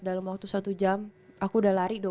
dalam waktu satu jam aku udah lari dong